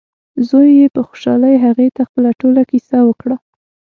زوی یې په خوشحالۍ هغې ته خپله ټوله کیسه وکړه.